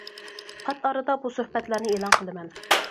پات ئارىدا بۇ سۆھبەتلەرنى ئېلان قىلىمەن.